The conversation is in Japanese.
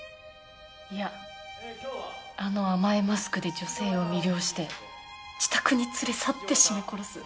いやあの甘いマスクで女性を魅了して自宅に連れ去って絞め殺す。